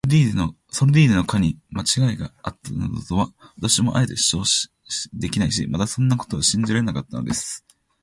ソルディーニの課にまちがいがあったなどとは、私もあえて主張できないし、またそんなことは信じられなかったのです。